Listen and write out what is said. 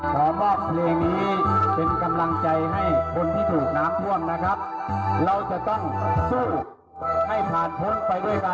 น้ำท่วมน้องว่าดีกว่าฝนแรงที่ว่าน้ำแห่งใครฝนแรงจะยังดีกว่า